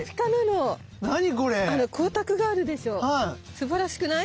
すばらしくない？